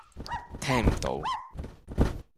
聽唔到